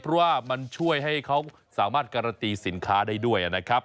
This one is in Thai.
เพราะว่ามันช่วยให้เขาสามารถการันตีสินค้าได้ด้วยนะครับ